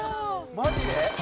「マジで？」